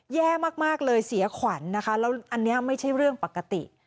แย่มากเลยเสียขวัญนะคะแล้วอันนี้ไม่ใช่เรื่องปกติ